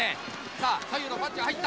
さあ左右のパンチが入った。